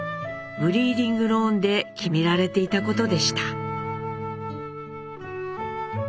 ブリーディングローンで決められていたことでした。